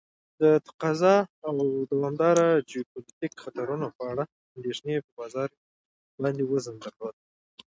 د تقاضا او دوامداره جیوپولیتیک خطرونو په اړه اندیښنې په بازار باندې وزن درلود.